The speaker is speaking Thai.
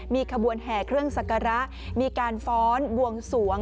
มีขบวนแห่เครื่องสักการะมีการฟ้อนบวงสวง